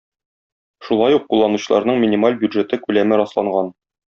Шулай ук кулланучыларның минималь бюджеты күләме расланган.